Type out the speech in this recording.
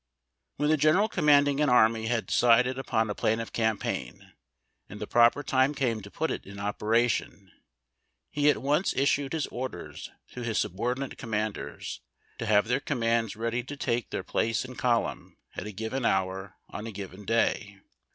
When the general commanding an army had decided upon a plan of campaign, and the proper time came to put it in operation, he at once issued his orders to his subordinate commanders to have their commands ready to take their place in column at a given hour on a given day.